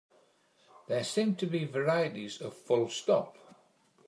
There seem to be varieties of full stop.